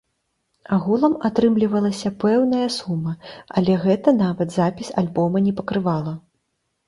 Агулам атрымлівалася пэўная сума, але гэта нават запіс альбома не пакрывала.